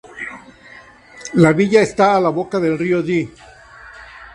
La villa esta a la boca del río Dee.